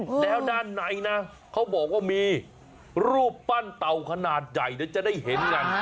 แล้วด้านในนะเขาบอกว่ามีรูปปั้นเต่าขนาดใหญ่เดี๋ยวจะได้เห็นกัน